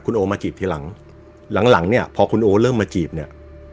โอมาจีบทีหลังหลังเนี่ยพอคุณโอเริ่มมาจีบเนี่ย